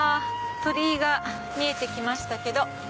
鳥居が見えて来ました。